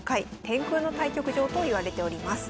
「天空の対局場」といわれております。